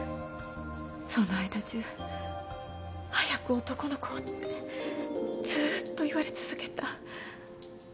その間中早く男の子をってずっと言われ続けた。